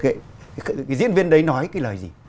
cái diễn viên đấy nói cái lời gì